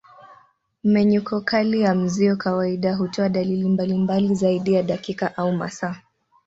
Mmenyuko kali ya mzio kawaida hutoa dalili mbalimbali zaidi ya dakika au masaa.